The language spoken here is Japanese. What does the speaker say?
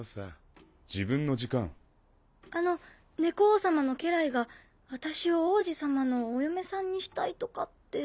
あの猫王様の家来が私を王子様のお嫁さんにしたいとかって。